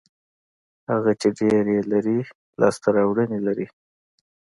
هغه چې ډېر یې لري لاسته راوړنې لري.